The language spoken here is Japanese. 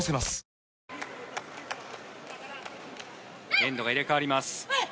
エンドが入れ替わります。